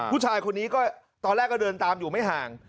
ผู้ชายคนนี้ก็ตอนแรกก็เดินตามอยู่ไม่ห่าง